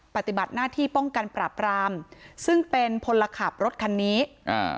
ปฏิบัติหน้าที่ป้องกันปราบรามซึ่งเป็นพลขับรถคันนี้อ่า